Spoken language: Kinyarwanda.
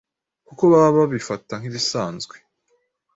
kuko baba babifata nk'ibisanzwe